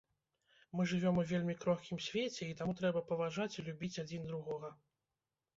Мы жывём у вельмі крохкім свеце, і таму трэба паважаць і любіць адзін другога.